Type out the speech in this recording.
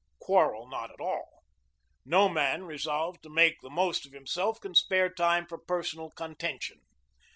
Quarrel not at all. No man resolved to make the most of himself can spare time for personal contention.